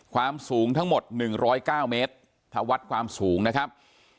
ความสูงทั้งหมดหนึ่งร้อยเก้าเมตรถ้าวัดความสูงนะครับ